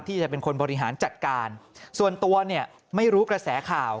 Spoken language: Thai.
ที่จะเป็นคนบริหารจัดการส่วนตัวเนี่ยไม่รู้กระแสข่าว